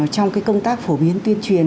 trong công tác phổ biến tuyên truyền